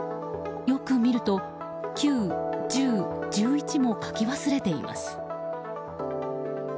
よく見ると９、１０、１１も書き忘れています。